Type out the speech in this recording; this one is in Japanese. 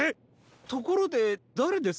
ところでだれです？